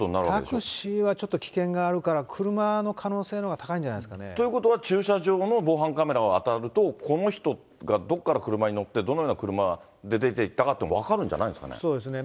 タクシーはちょっと危険があるから、車の可能性のほうが高いということは、駐車場の防犯カメラを当たると、この人がどこから車に乗って、どのような車で出ていったのかっていうのも分かるんじゃないんでそうですね。